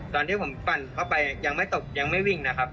ตอนที่ผมปั่นเข้าไปยังไม่ตกยังไม่วิ่งนะครับ